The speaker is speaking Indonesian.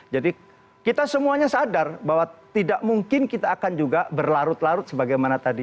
jadi kita semuanya sadar bahwa tidak mungkin kita akan juga berlarut larut sebagaimana tadi